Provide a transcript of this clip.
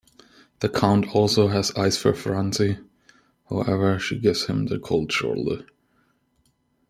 The Count also has eyes for Franzi, however, she gives him the cold shoulder.